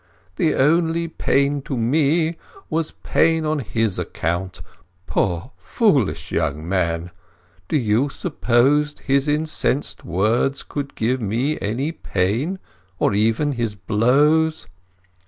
"The only pain to me was pain on his account, poor, foolish young man. Do you suppose his incensed words could give me any pain, or even his blows?